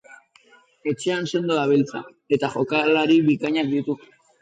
Etxean sendo dabiltza, eta jokalari bikainak ditu.